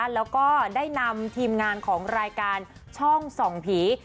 แล้วก็ได้นำทีมงานของรายการช่องส่องผี